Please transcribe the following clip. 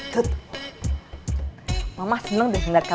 terima kasih ma